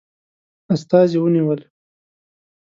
استازي ونیول.